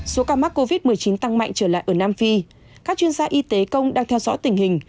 số ca mắc covid một mươi chín tăng mạnh trở lại ở nam phi các chuyên gia y tế công đang theo dõi tình hình